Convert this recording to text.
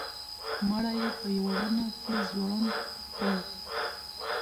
مړی یې په یوه ونه کې ځوړند کړ.